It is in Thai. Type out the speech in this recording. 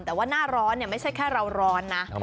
แต่ว่าหน้าร้อนไม่ใช่แค่เราร้อนนะ